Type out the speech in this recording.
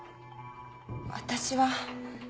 私は。